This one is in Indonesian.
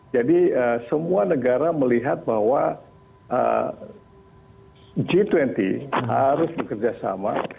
jadi semua negara melihat bahwa g dua puluh harus bekerja sama